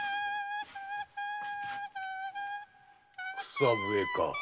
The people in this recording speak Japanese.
草笛か。